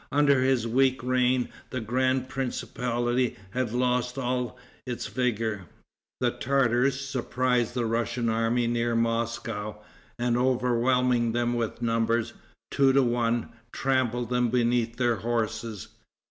Under his weak reign the grand principality had lost all its vigor. The Tartars surprised the Russian army near Moscow, and overwhelming them with numbers, two to one, trampled them beneath their horses.